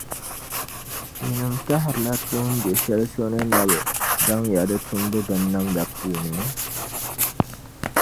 Yinim tahirila tuumbe’ shɛli so ni na bi daŋ ya di tumbu binnamda puuni?